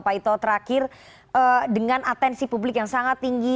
pak ito terakhir dengan atensi publik yang sangat tinggi